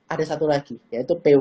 ada satu lagi yaitu